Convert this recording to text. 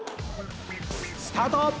スタート！